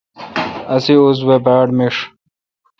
اسے اوزہ وے باڑ میݭ۔